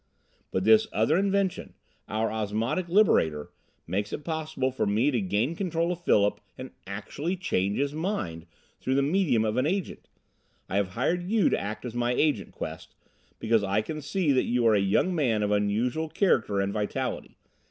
"But this other invention, our Osmotic Liberator, makes it possible for me to gain control of Philip and actually change his mind, through the medium of an agent. I have hired you to act as my Agent, Quest, because I can see that you are a young man of unusual character and vitality.